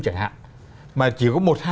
chẳng hạn mà chỉ có một hai